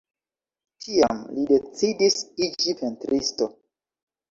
Tiam li decidis iĝi pentristo.